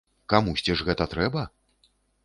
Камусьці ж гэта трэба?